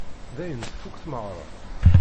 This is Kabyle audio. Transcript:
Dayen, tfukk tmeɣra.